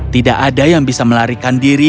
tidak ada yang bisa melarikan diri